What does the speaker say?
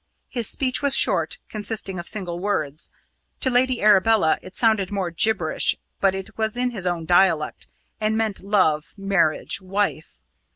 His speech was short, consisting of single words. To Lady Arabella it sounded mere gibberish, but it was in his own dialect, and meant love, marriage, wife.